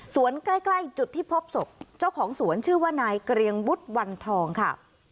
ใกล้จุดที่พบศพเจ้าของสวนชื่อว่านายเกรียงวุฒิวันทองค่ะ